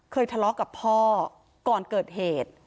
ทะเลาะกับพ่อก่อนเกิดเหตุ